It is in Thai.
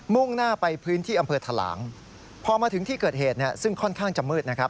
่งหน้าไปพื้นที่อำเภอทะหลางพอมาถึงที่เกิดเหตุเนี่ยซึ่งค่อนข้างจะมืดนะครับ